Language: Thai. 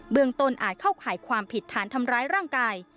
เมืองต้นอาจเข้าข่ายความผิดฐานทำร้ายร่างกาย